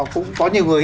cũng có nhiều người